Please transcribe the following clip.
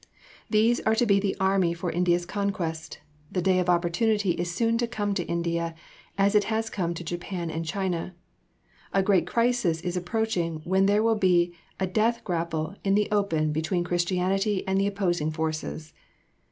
These are to be the army for India's conquest. The day of opportunity is soon to come to India as it has come to Japan and to China. A great crisis is approaching when there will be a death grapple in the open between Christianity and the opposing forces.